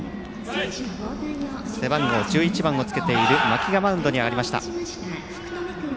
背番号１１番をつけている間木がマウンドに上がりました。